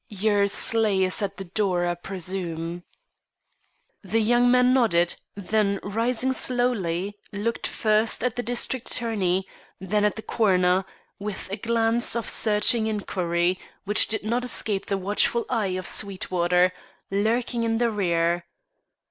Your sleigh is at the door, I presume." The young man nodded, then rising slowly, looked first at the district attorney, then at the coroner, with a glance of searching inquiry which did not escape the watchful eye of Sweetwater, lurking in the rear.